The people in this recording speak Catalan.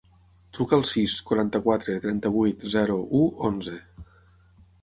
Truca al sis, quaranta-quatre, trenta-vuit, zero, u, onze.